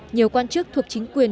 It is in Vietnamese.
nhiều quan chức thuộc chính quyền